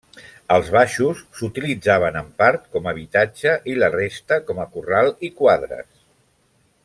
Els baixos s'utilitzaven en part com habitatge i la resta com a corral i quadres.